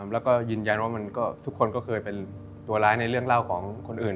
แล้วก็ยืนยันว่าทุกคนก็เคยเป็นตัวร้ายในเรื่องเล่าของคนอื่น